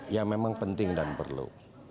ya memang penting dan perlu